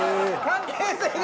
関係性が。